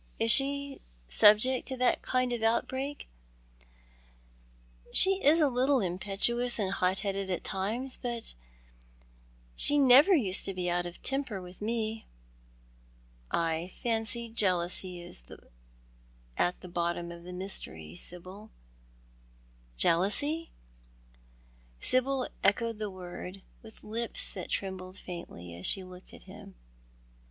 Is she subject to that kind of outbreak ?"" She is a little impetuous and hot headed at times, but she never used to be out of temper with me." " I fancy jealousy is at the bottom of the mystery, Sibyl." "Jealousy?" Sibyl echoed the word with lips that trembled faintly as she looked at him.